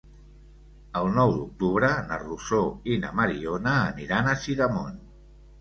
El nou d'octubre na Rosó i na Mariona aniran a Sidamon.